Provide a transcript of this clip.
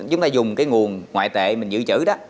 chúng ta dùng cái nguồn ngoại tệ mình giữ chữ đó